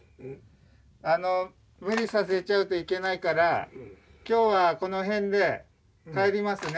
無理させちゃうといけないから今日はこの辺で帰りますね。